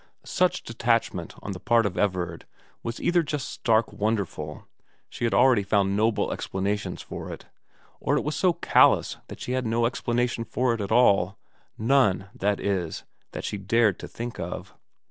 Such detachment on the part of Everard was either just stark wonderful she had already found noble explanations for it or it was so callous that she had no explanation for it at all ; none, that is, that she dared think of.